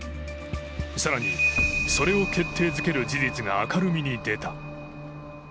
更に、それを決定づける事実が明るみに出た。